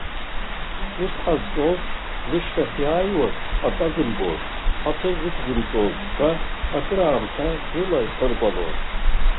Ус ҟазҵоз, зышьҭахь иааиуаз атәазымбоз, ҳаҭыр рықәзымҵоз ҳәа, акраамҭа рыла ихырбалон.